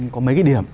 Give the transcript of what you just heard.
có mấy cái điểm